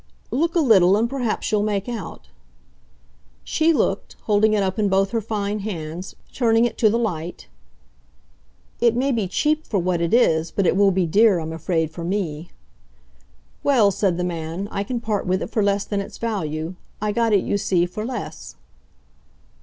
"Look a little, and perhaps you'll make out." She looked, holding it up in both her fine hands, turning it to the light. "It may be cheap for what it is, but it will be dear, I'm afraid, for me." "Well," said the man, "I can part with it for less than its value. I got it, you see, for less."